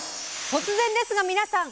突然ですが皆さん！